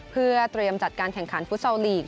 เพื่อเตรียมจัดการแข่งขันฟุตซอลลีก